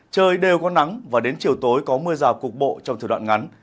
trời đều có nắng và đến chiều tối có mưa rào cục bộ trong thời đoạn ngắn